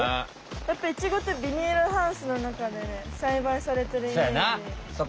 やっぱイチゴってビニールハウスのなかでねさいばいされてるイメージ。